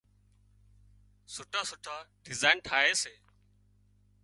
سُٺا سُٺا ڊزائين ٺاهي سي